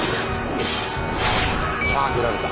ああ斬られた。